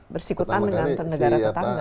bersikutan dengan negara tetangga